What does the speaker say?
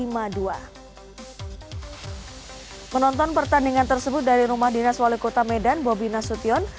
menonton pertandingan tersebut dari rumah dinas wali kota medan bobi nasution